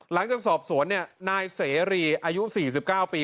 หลังจากสอบสวนเนี่ยนายเสรีอายุสี่สิบเก้าปี